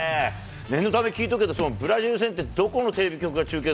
念のため聞いておくけど、ブラジル戦って、どこのテレビ局が中継